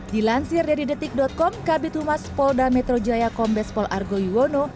dilansir dari detik com kabit humas polda metro jaya kombes pol argo yuwono